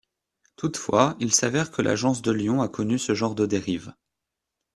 Toutefois, il s'avère que l'agence de Lyon a connu ce genre de dérives.